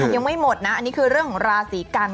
ยังไม่หมดนะอันนี้คือเรื่องของราศีกัน